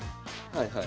はい。